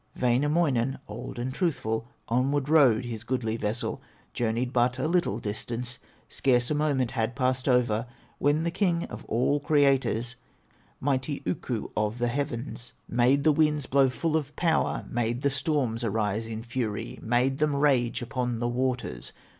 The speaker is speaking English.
Wainamoinen, old and truthful, Onward rowed his goodly vessel, Journeyed but a little distance, Scarce a moment had passed over, When the King of all creators, Mighty Ukko of the heavens, Made the winds blow full of power, Made the storms arise in fury, Made them rage upon the waters.